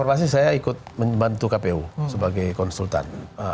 informasi saya ikut membantu kpu sebagai konsultan